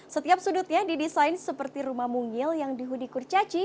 setiap sudutnya didesain seperti rumah mungil yang dihuni kurcaci